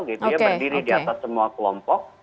dia berdiri di atas semua kelompok